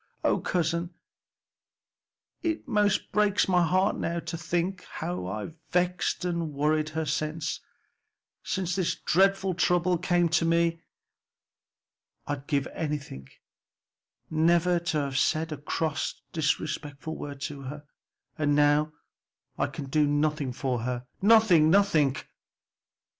O cousin, it most breaks my heart now to think how I've vexed and worried her since since this dreadful trouble came to me. I'd give anything never to have said a cross or disrespectful word to her. And now I can do nothing for her! nothing, nothing!"